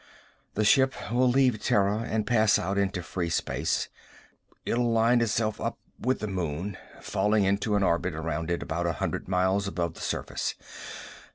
The ship will leave Terra and pass out into free space. It'll line itself up with the moon, falling into an orbit around it, about a hundred miles above the surface.